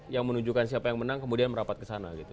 yang menunjukkan siapa yang menang kemudian merapat ke sana gitu